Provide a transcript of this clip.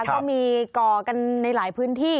ก็มีก่อกันในหลายพื้นที่